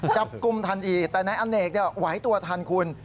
จับกุมทันอีแต่นายอันเนกเนี่ยไหวตัวทันคุณ